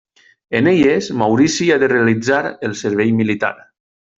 En elles Maurici ha de realitzar el servei militar.